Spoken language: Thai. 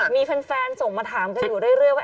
มีเพื่อนแฟนส่งมาถามส่งมาถามไปอยู่เรื่อยเรื่อยว่า